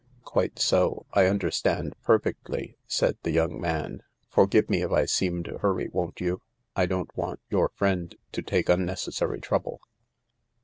" Quite so. I understand perfectly," said the young man. " Forgive me if I seem to hurry, won't you ? I don't want your friend to take unnecessary trouble."